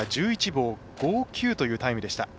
１１秒５９というタイム。